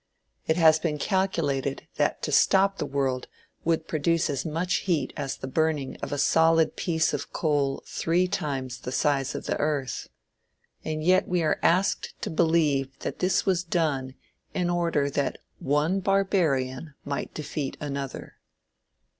It has been calculated that to stop the world would produce as much heat as the burning of a solid piece of coal three times the size of the earth. And yet we are asked to believe that this was done in order that one barbarian might defeat another.